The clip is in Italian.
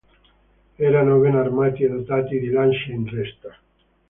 Erano ben armati e dotati di lance in resta.